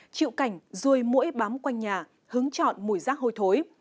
chịu cảnh rui mũi bám quanh nhà hứng chọn mùi rác hôi thối